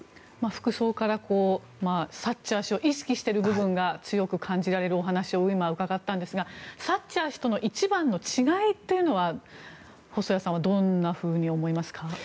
服装からサッチャー氏を意識している部分が強く感じられるお話を今、うかがったんですがサッチャー氏との一番の違いというのは細谷さんはどんなふうに思いますか？